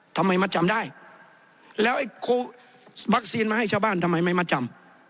ทำไมมาจำได้แล้วไอ้วัคซีนมาให้ชาวบ้านทำไมไม่มัดจำ